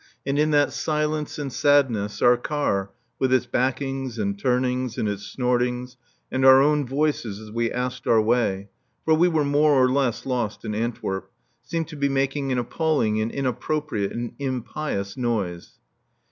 And in that silence and sadness our car, with its backings and turnings and its snorts, and our own voices as we asked our way (for we were more or less lost in Antwerp) seemed to be making an appalling and inappropriate and impious noise.